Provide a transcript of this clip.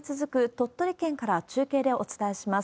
鳥取県から中継でお伝えします。